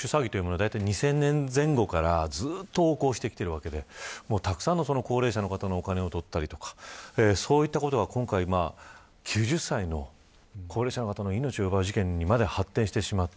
だいたい２０００年前後からずっと横行しているわけでたくさんの高齢者の方のお金を取ったりだとかそういったことが今回９０歳の高齢者の方の命を奪う事件にまで発展してしまった。